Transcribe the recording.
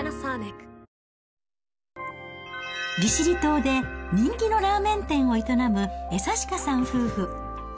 利尻島で人気のラーメン店を営む江刺家さん夫婦。